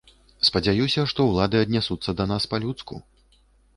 Спадзяюся, што ўлады аднясуцца да нас па-людску.